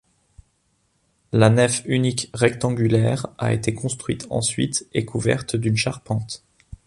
La nef unique rectangulaire a été construite ensuite et couverte d'une charpente.